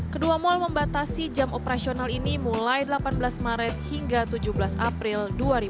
kedua mal membatasi jam operasional ini mulai delapan belas maret hingga tujuh belas april dua ribu dua puluh